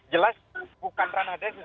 jelas bukan ranah densus